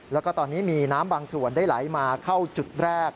แล้วก็ตอนนี้มีน้ำบางส่วนได้ไหลมาเข้าจุดแรก